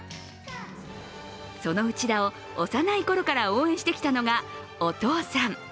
その内田を幼い頃から応援してきたのがお父さん。